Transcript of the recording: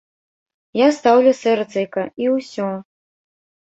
Я стаўлю сэрцайка, і ўсё.